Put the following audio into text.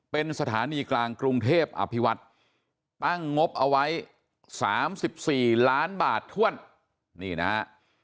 เป็นสถานีกลางกรุงเทพอภิวัฒน์ตั้งงบเอาไว้๓๔ล้านบาทถ้วนนี่นะฮะ